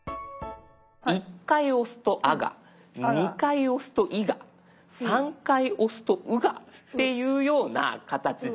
１回押すと「あ」が２回押すと「い」が３回押すと「う」がっていうような形で。